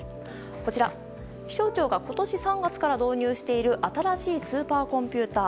こちら、気象庁が今年３月から導入している新しいスーパーコンピューター。